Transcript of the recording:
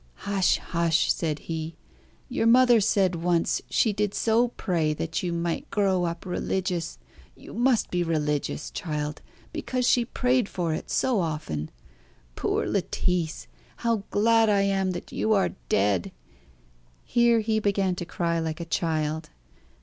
"Hush! hush!" said he. "Your mother said once she did so pray that you might grow up religious; you must be religious, child, because she prayed for it so often. Poor Lettice, how glad I am that you are dead!" Here he began to cry like a child.